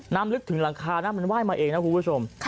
น้ำลึกถึงหลังคาน้ำมันไหว้มาเองนะครับคุณผู้ชม